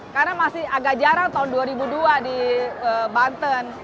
karena masih agak jarang tahun dua ribu dua di banten